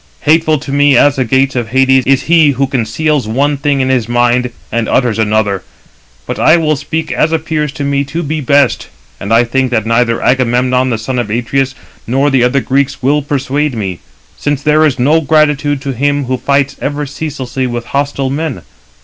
Hateful to me as the gates of Hades is he who conceals one thing in his mind and utters another. But I will speak as appears to me to be best; and I think that neither Agamemnon, the son of Atreus, nor the other Greeks will persuade me; since there is no gratitude to him who fights ever ceaselessly with hostile men.